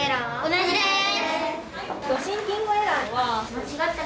同じです！